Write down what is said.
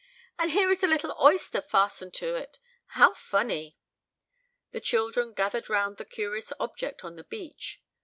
"And here is a little oyster fastened to it! How funny!" The children gathered round the curious object on the beach.